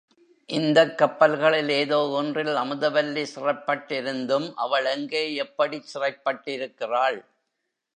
இந்தக் கப்பல்களில் ஏதோ ஒன்றில் அமுத வல்லி சிறைப்பட்டிருந்தும் அவள் எங்கே எப்படிச் சிறைப்பட்டிருக்கிறாள்?